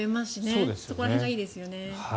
そこら辺がいいですよね。